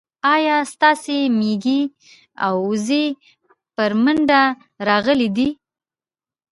ايا ستاسي ميږي او وزې پر مينده راغلې دي